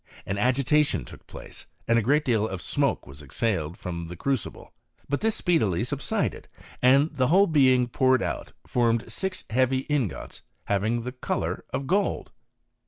An agitation took place, and a great deal of smoke was exhaled from the crucible; but this speedily subsided, and the whole being poured out, formed six heavy ingots, having the colour of gold.